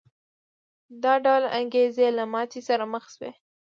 دا ډول انګېزې له ماتې سره مخ شوې.